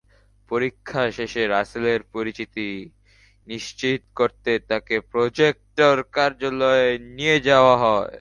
পরীক্ষা শেষে রাসেলের পরিচিতি নিশ্চিত করতে তাঁকে প্রক্টর কার্যালয়ে নিয়ে যাওয়া হয়।